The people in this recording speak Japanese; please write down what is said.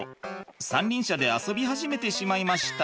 三輪車で遊び始めてしまいました。